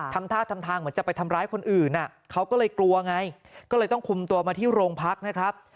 ทำท่าทำทางเหมือนจะไปทำร้ายคนอื่นเขาก็เลยกลัวไงก็เลยต้องคุมตัวมาที่โรงพักนะครับ